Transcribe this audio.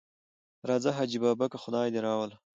راځه حاجي بابکه خدای دې راوله.